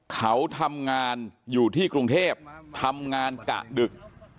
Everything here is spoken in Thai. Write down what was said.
เขาทำงานอยู่ที่กรุงเทพทำงานกะดึก